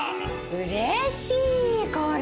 うれしいこれ。